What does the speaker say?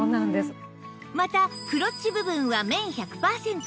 またクロッチ部分は綿１００パーセント